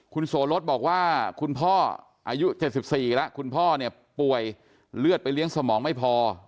คุณโสรสบอกว่าคุณพ่ออายุ๗๔แล้วคุณพ่อเนี่ยป่วยเลือดไปเลี้ยงสมองไม่พอ